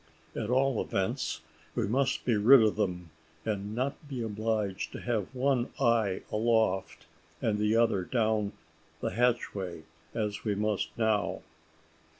At all events, we must be rid of them, and not be obliged to have one eye aloft and the other down the hatchway, as we must now."